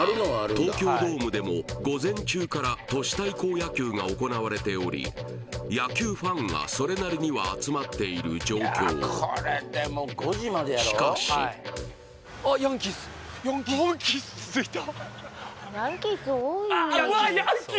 東京ドームでも午前中から都市対抗野球が行われており野球ファンがそれなりには集まっている状況しかし・ヤンキース出た！